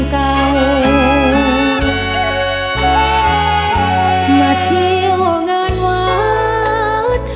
เก่ามาเที่ยวงานวันนั้น